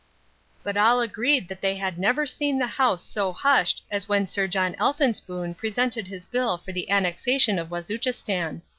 But all agreed that they had never seen the House so hushed as when Sir John Elphinspoon presented his Bill for the Annexation of Wazuchistan.